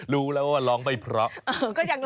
รู้แล้วว่าล้องไม่พร้อม